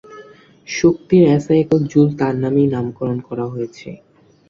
শক্তির এসআই একক জুল তার নামেই নামকরণ করা হয়েছে।